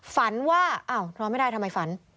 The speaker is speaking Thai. ฝันว่าอ้าวนอนไม่ได้ทำไมฝัน